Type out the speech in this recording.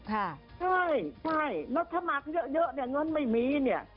ใช่ใช่แล้วถ้ามาก็เยอะเนี่ยเงินไม่มีเนี่ย